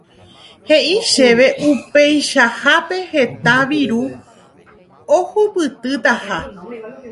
He'i chéve upeichahápe heta viru ahupytytaha.